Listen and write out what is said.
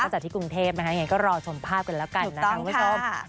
จากที่กรุงเทพนะคะยังไงก็รอชมภาพกันแล้วกันนะคะคุณผู้ชม